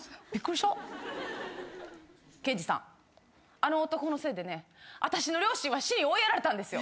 あの男のせいでねあたしの両親は死に追いやられたんですよ。